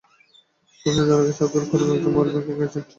খোঁজ নিয়ে জানা গেছে, আবদুল করিম একজন মোবাইল ব্যাংকিংয়ের এজেন্ট।